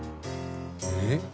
えっ？